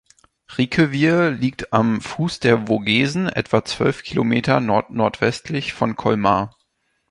Riquewihr liegt am Fuß der Vogesen, etwa zwölf Kilometer nordnordwestlich von Colmar.